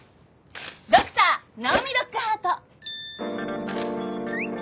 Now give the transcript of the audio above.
ドクターナオミ・ロックハート！